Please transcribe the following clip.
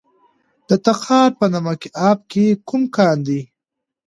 د تخار په نمک اب کې کوم کان دی؟